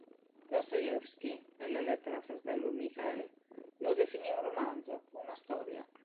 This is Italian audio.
Dostoevskij, nelle lettere al fratello Michael, lo definì un romanzo, una storia.